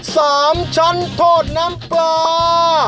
สามชั้นโทษน้ำปลา